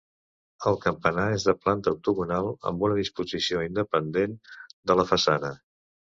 El campanar és de planta octogonal, amb una disposició independent de la façana.